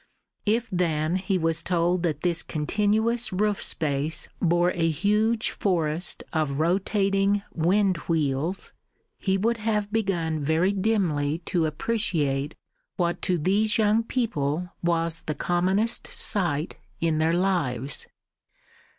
If then he was told that this continuous roof space bore a huge forest of rotating wind wheels, he would have begun very dimly to appreciate what to these young people was the commonest sight in their lives.